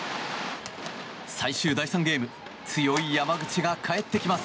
最終第３ゲーム強い山口が帰ってきます。